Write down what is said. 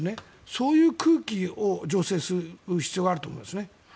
そういう空気を醸成する必要があると思います。